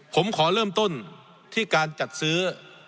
ผมขอเริ่มต้นที่การจัดซื้อ